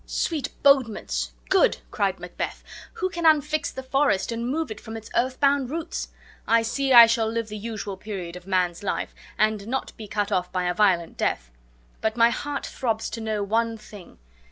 "Sweet bodements! good!" cried Macbeth; "who can unfix the forest, and move it from its earth bound roots? I see I shall live the usual period of man's life, and not be cut off by a violent death. But my heart throbs to know one thing.